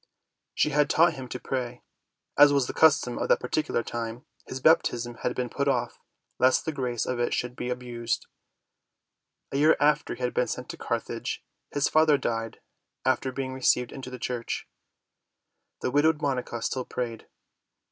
She had taught him to pray. As was the custom at that particular time, his baptism had been put off, lest the grace of it should be abused. A year after he had been sent to Carthage, his father died after being received into the Church. The widowed Monica still prayed.